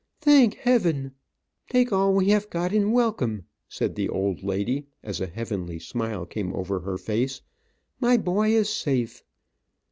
"Thank heaven! Take all we have got in welcome," said the old lady, as a heavenly smile came over her face. "My boy is safe."